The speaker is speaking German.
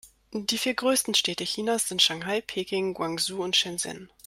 Die vier größten Städte Chinas sind Shanghai, Peking, Guangzhou und Shenzhen.